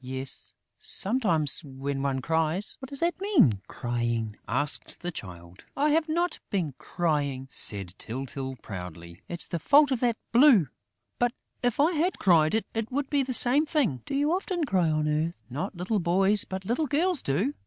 "Yes, sometimes, when one cries." "What does that mean, crying?" asked the Child. "I have not been crying," said Tyltyl proudly. "It's the fault of that blue!... But, if I had cried, it would be the same thing...." "Do you often cry on earth?..." "Not little boys, but little girls do....